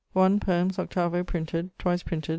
Poëms, 8vo, printed.... Twice printed.